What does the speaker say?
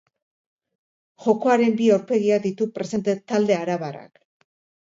Jokoaren bi aurpegiak ditu presente talde arabarrak.